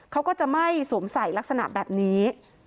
เขาก็จะไม่สวมใส่ลักษณะแบบนี้